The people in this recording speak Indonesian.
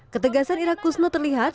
ketegasan ira kusno terlihat